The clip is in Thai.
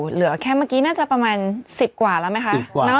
เหลือแค่เมื่อกี้น่าจะประมาณ๑๐กว่าแล้วไหมคะ